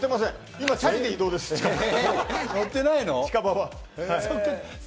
今、チャリで移動です、近場は。